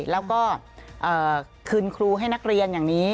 แล้วก็คืนครูให้นักเรียนอย่างนี้